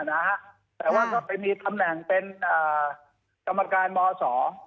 แต่ว่าก็ไปมีตำแหน่งเป็นอ่ากรรมการมศ